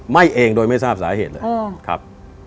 เองโดยไม่ทราบสาเหตุเลยครับ